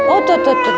oh tuh tuh tuh